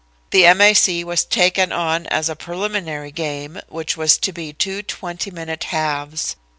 The M. A. C. was taken on as a preliminary game, which was to be two twenty minute halves.